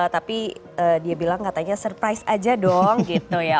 tapi dia bilang katanya surprise aja dong gitu ya